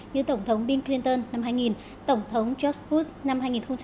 như tổng thống bill clinton năm hai nghìn tổng thống george bush năm hai nghìn sáu